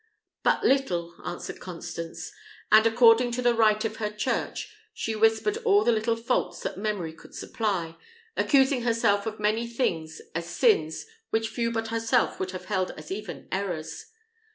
"But little," answered Constance; and according to the rite of her church, she whispered all the little faults that memory could supply, accusing herself of many things as sins which few but herself would have held as even errors.